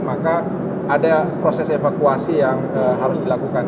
maka ada proses evakuasi yang harus dilakukan